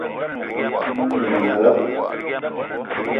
One minal abui.